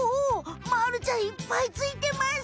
まるちゃんいっぱいついてます！